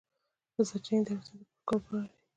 دا سرچینې د اړتیاوو د پوره کولو لپاره وې.